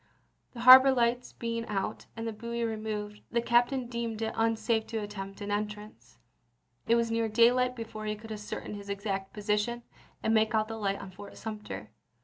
The harbor lights being out, and the buoy removed, the captain deemed it un safe to attempt an entrance. It was near daylight before he could ascertain his exact position, and make out the light on Fort Sumter.